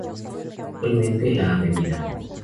Actualmente, la Av.